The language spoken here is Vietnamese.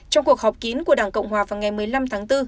trong cuộc họp kín của đảng cộng hòa vào ngày một mươi năm tháng bốn